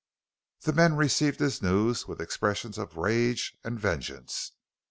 The men received his news with expressions of rage and vengeance.